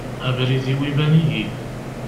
Abrid-iw iban-iyi.